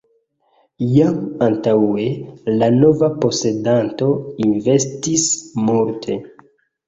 Jam antaŭe la nova posedanto investis multe.